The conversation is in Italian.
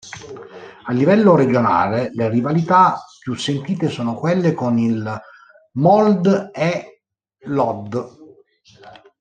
A livello regionale, le rivalità più sentite sono quelle con il Molde e l'Hødd.